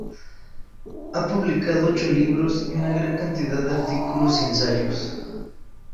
Ha publicado ocho libros y una gran cantidad de artículos y ensayos.